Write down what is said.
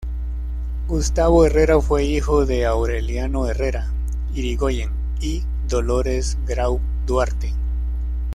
Gustavo Herrera fue hijo de Aureliano Herrera Irigoyen y Dolores Grau Duarte.